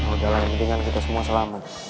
udah lah mendingan kita semua selama